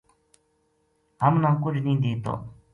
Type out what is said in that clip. ہمنا کُجھ نیہہ دیتو